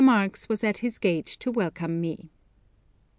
Marx was at his gate to welcome me.